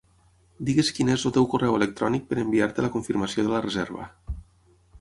Digues quin és el teu correu electrònic per enviar-te la confirmació de la reserva.